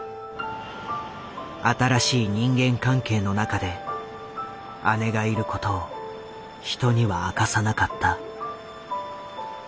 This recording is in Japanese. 新しい人間関係の中で姉がいることを人には明かさなかった。